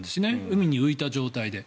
海に浮いた状態で。